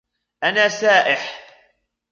أنا سائح.